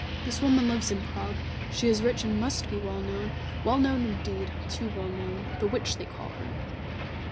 This woman lives in Prague. She is rich and must be well known " "Well known, indeed. Too well known the Witch they call her."